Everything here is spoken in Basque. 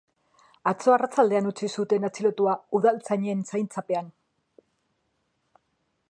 Atzo arratsaldean utzi zuten atxilotua udaltzainen zaintzapean.